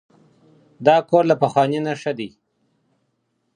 دا کور له پخواني نه ښه دی.